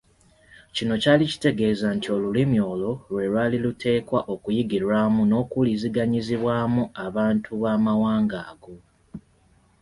Kino kyali kitegeeza nti olulimi olwo lwe lwali luteekwa okuyigirwamu n’okuwuliziganyizibwamu abantu b’Amawanga ago.